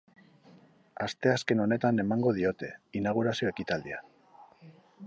Asteazken honetan emango diote, inaugurazio ekitaldian.